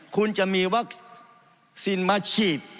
คุณจะมีวัคซีนมาฉีด